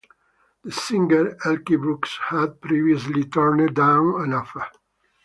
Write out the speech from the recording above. The singer Elkie Brooks had previously turned down an offer.